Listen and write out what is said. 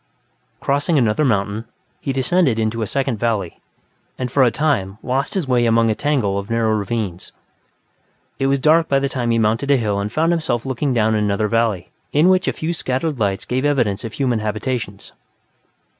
Crossing another mountain, he descended into a second valley, and, for a time, lost his way among a tangle of narrow ravines. It was dark by the time he mounted a hill and found himself looking down another valley, in which a few scattered lights gave evidence of human habitations.